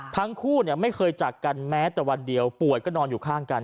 ทั้งคู่ไม่เคยจากกันแม้แต่วันเดียวป่วยก็นอนอยู่ข้างกัน